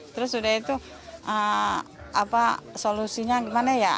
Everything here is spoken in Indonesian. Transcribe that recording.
terus sudah itu apa solusinya gimana ya